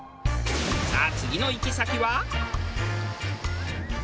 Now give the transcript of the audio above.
さあ次の行き先は。